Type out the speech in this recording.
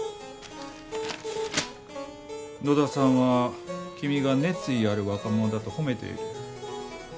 野田さんは君が熱意ある若者だと褒めている。